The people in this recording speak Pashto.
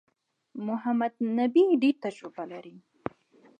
محمد نبي ډېره تجربه لري.